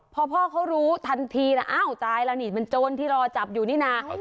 พอพ่อเขารู้ทันทีนะอ้าวตายแล้วนี่มันโจรที่รอจับอยู่นี่นะ